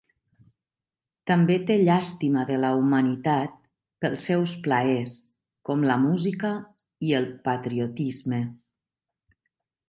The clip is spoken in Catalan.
També té llàstima de la humanitat pels seus plaers, com la música i el patriotisme.